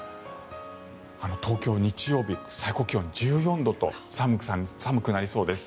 東京、日曜日、最高気温１４度と寒くなりそうです。